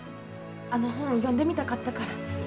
あの本読んでみたかったから。